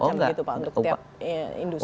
ada bermacam macam gitu pak untuk setiap industri